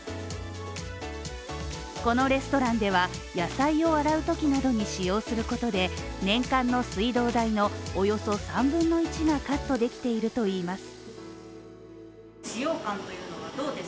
このレストランでは野菜を洗うときなどに使用することで、年間の水道代のおよそ３分の１がカットできているといいます。